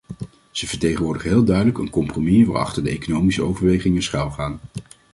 Ze vertegenwoordigen heel duidelijk een compromis waarachter economische overwegingen schuil gaan.